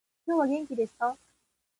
今日は元気ですか？